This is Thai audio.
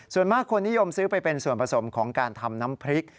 ส่วนมากคนนิยมซื้อไปเป็นส่วนผสมของการทำน้ำพริก